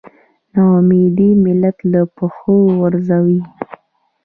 نا اميدي ملت له پښو غورځوي.